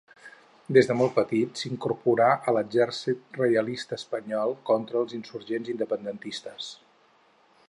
Des de molt petit s'incorporà a l'Exèrcit Reialista espanyol contra els insurgents independentistes.